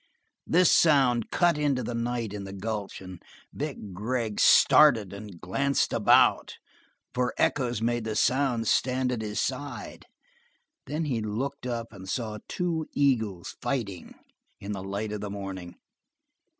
This sound cut into the night in the gulch, and Vic Gregg started and glanced about for echoes made the sound stand at his side; then he looked up, and saw two eagles fighting in the light of the morning.